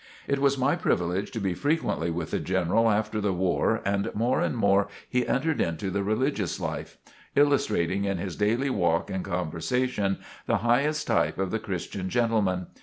It was my privilege to be frequently with the General after the war and more and more he entered into the religious life, illustrating in his daily walk and conversation the highest type of the Christian gentleman.